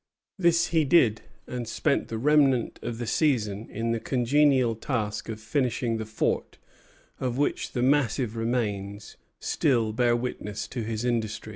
This he did, and spent the remnant of the season in the congenial task of finishing the fort, of which the massive remains still bear witness to his industry.